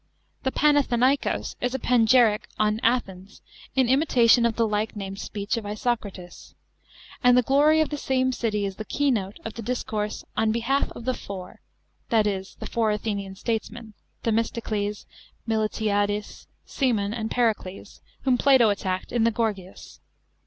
The Pan athenaikos is a panegyric on Athens, in imitation of the like named speech of Isocrates ; and the glory of the same city is the keynote of the discourse On Behalf of the Four* that is, the four Athenian statesmen, Themistocles, Miltiades, Cimon, and Pericles, whom Plato attacked in the Gorgias.